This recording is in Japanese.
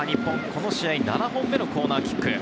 この試合７本目のコーナーキック。